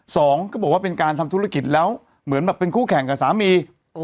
สองก็บอกว่าเป็นการทำธุรกิจแล้วเหมือนแบบเป็นคู่แข่งกับสามี